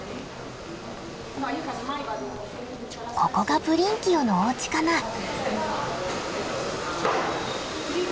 ここがブリンキオのおうちかな？